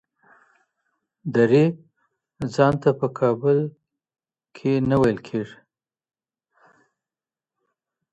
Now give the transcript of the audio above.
دري ځانته په کابل کي نه ویل کېږي.